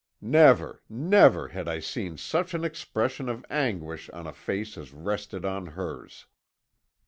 Never, never, had I seen such an expression of anguish on a face as rested on hers.